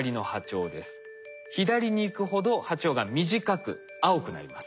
左に行くほど波長が短く青くなります。